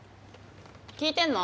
聞いてんの？